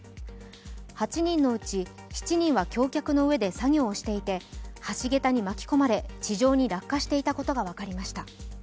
８人のうち７人は橋脚の上で作業していて橋桁に巻き込まれ地上に落下していたことが分かりました。